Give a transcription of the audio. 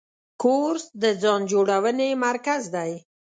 کورس د ځان جوړونې مرکز دی.